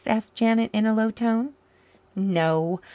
asked Janet in a low tone. "No.